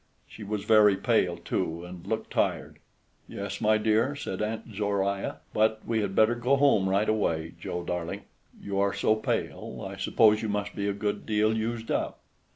She was very pale too, and looked tired. "Yes, my dear," said Aunt Zoruiah. "But we had better go home right away, Joe darling. You are so pale, I suppose you must be a good deal used up."